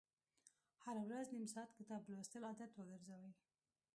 هره ورځ نیم ساعت کتاب لوستل عادت وګرځوئ.